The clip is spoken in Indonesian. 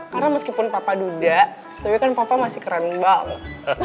karena meskipun papa duda tapi kan papa masih keren banget